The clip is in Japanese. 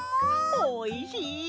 おいしい！